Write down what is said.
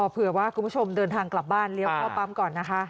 เผื่อว่าคุณผู้ชมเดินทางกลับบ้านเลี้ยวเข้าปั๊มก่อนนะคะ